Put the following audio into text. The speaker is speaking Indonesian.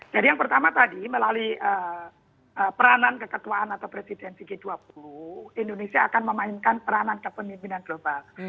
jadi yang pertama tadi melalui peranan keketuaan atau presiden cg dua puluh indonesia akan memainkan peranan kepemimpinan global